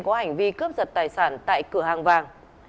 có hành vi cướp giật tài sản tại cửa hàng vàng